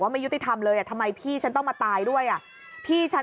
ไม่ยุติธรรมเลยอ่ะทำไมพี่ฉันต้องมาตายด้วยอ่ะพี่ฉัน